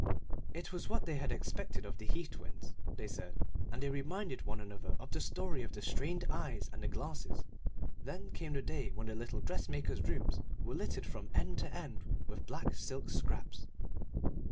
It was what they had expected of the Heath twins, they said, and they reminded one another of the story of the strained eyes and the glasses. Then came the day when the little dressmaker's rooms were littered from end to end with black silk scraps.